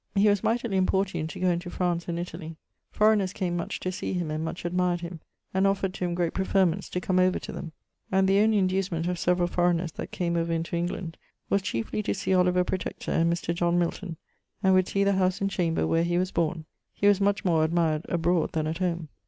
He was mightily importuned to goe into France and Italie. Foraigners came much to see him, and much admired him, and offer'd to him great preferments to come over to them: and the only inducement of severall foreigners that came over into England, was chiefly to see Oliver Protector, and Mr. John Milton; and would see the house and chamber wher he was borne. He was much more admired abrode then at home.